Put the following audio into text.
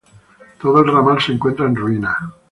Todo el ramal se encuentra en ruinas.